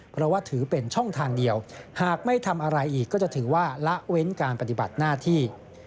เพราะว่าถือเป็นช่องทางเดียวหากไม่ทำอะไรอีกก็จะถือว่าละเว้นการปฏิบัติหน้าที่